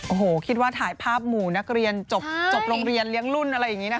โอ้โหคิดว่าถ่ายภาพหมู่นักเรียนจบโรงเรียนเลี้ยงรุ่นอะไรอย่างนี้นะคะ